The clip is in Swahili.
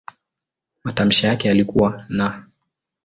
Matamshi yake yalikuwa "n".